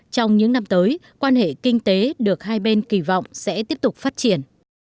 trong những năm tới quan hệ kinh tế được hai bên kỳ vọng sẽ tiếp tục phát triển